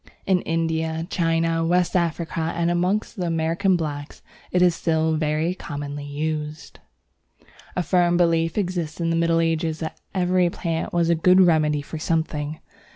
In India, China, West Africa, and amongst the American blacks, it is still very commonly used. A firm belief existed in the Middle Ages that every plant was a good remedy for something.